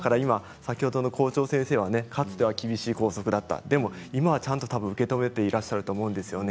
先ほどの校長先生はかつては厳しい校則だったでも今は受け止めていらっしゃると思うんですよね。